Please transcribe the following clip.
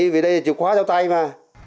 vì đây là chìu khóa trong tay mà